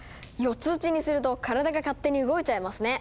４つ打ちにすると体が勝手に動いちゃいますね。